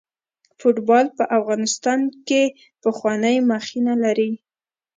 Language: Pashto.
فوټبال په افغانستان کې پخوانۍ مخینه لري.